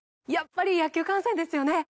やっぱり野球観戦ですよね